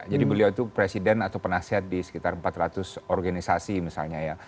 jadi beliau itu presiden atau penasihat di sekitar empat ratus organisasi misalnya ya